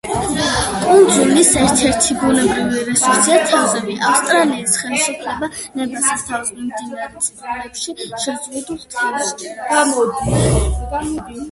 კუნძულის ერთადერთი ბუნებრივი რესურსია თევზები; ავსტრალიის ხელისუფლება ნებას რთავს მიმდებარე წყლებში შეზღუდულ თევზჭერას.